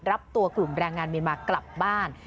รับตัวกลุ่มแรงงานเมียนมากลับบ้าน